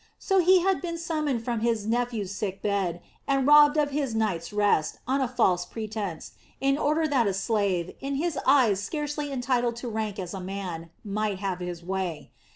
So he had been summoned from his nephew's sick bed, and robbed of his night's rest, on a false pretence, in order that a slave, in his eyes scarcely entitled to rank as a man, might have his way.